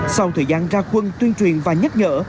sau thời gian ra quân tuyên truyền và nhắc nhở